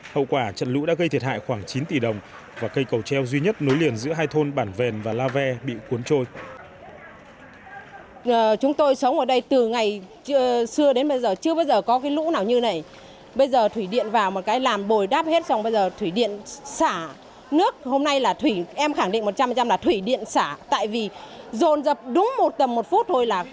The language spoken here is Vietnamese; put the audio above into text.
hậu quả trận lũ đã gây thiệt hại khoảng chín tỷ đồng và cây cầu treo duy nhất nối liền giữa hai thôn bản vèn và la ve bị cuốn trôi